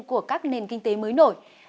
của các nền kinh tế mới nổi